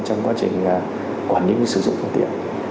trong quá trình quản lý sử dụng phương tiện